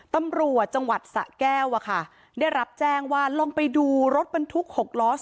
ตำรวจจังหวัดสะแก้วได้รับแจ้งว่าลองไปดูรถบรรทุก๖ล้อ